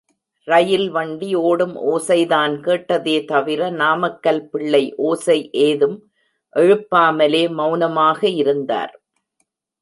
ரயில் வண்டி ஓடும் ஓசைதான் கேட்டதே தவிர, நாமக்கல் பிள்ளை ஓசை ஏதும் எழுப்பாமலே மெளனமாக இருந்தார்.